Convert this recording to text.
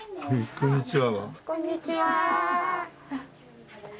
こんにちは。